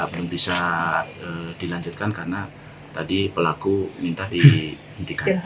belum bisa dilanjutkan karena tadi pelaku minta dihentikan